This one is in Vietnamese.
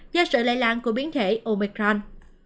do sự lây lan của biến thể omicron